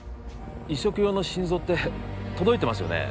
移植用の心臓って届いてますよね？